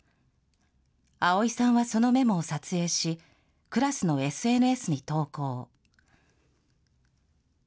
碧さんはそのメモを撮影し、クラスのＳＮＳに投稿。